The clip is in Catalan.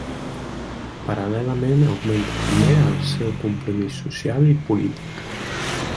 Paral·lelament augmenta també el seu compromís social i polític.